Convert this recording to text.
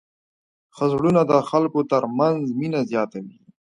ښه زړونه د خلکو تر منځ مینه زیاتوي.